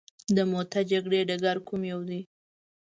د موته جګړې ډګر کوم یو دی.